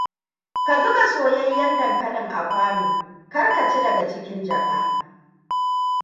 Ka zuba soyayyen dankalin a kwano. Kar ka ci daga cikin jaka.